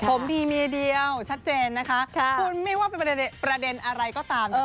ผมมีเมียเดียวชัดเจนนะคะคุณไม่ว่าเป็นประเด็นอะไรก็ตาม